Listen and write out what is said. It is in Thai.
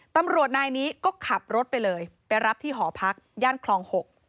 ตำรวจนายนี้ก็ขับรถไปเลยไปรับที่หอพักย่านคลอง๖